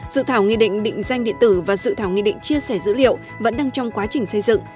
dự thảo nghị định định danh điện tử và dự thảo nghị định chia sẻ dữ liệu vẫn đang trong quá trình xây dựng